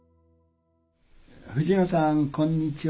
藤野さんこんにちは。